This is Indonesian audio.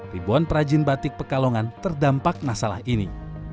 ribuan perajin batik pekalongan terdampak masalah ini